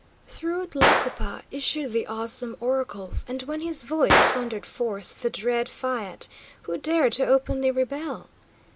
Through Tlacopa issued the awesome oracles, and when his voice thundered forth the dread fiat, who dared to openly rebel?